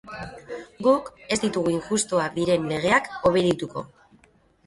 Guk ez ditugu injustoak diren legeak obedituko.